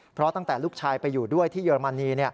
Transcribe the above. เพราะตั้งแต่ลูกชายไปอยู่ด้วยที่เยอรมนี